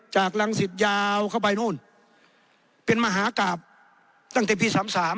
จากรังสิตยาวเข้าไปนู่นเป็นมหากราบตั้งแต่ปี๓๓